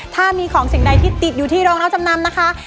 ถ้ามีของสิ่งใดที่ติดอยู่ที่โรงรับจำนำนะคะ